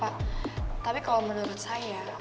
pak tapi kalau menurut saya